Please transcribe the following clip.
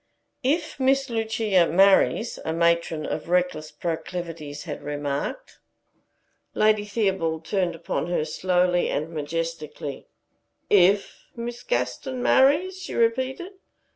"If Miss Lucia marries" a matron of reckless proclivities had remarked. Lady Theobald turned upon her, slowly and majestically. "If Miss Gaston marries," she repeated.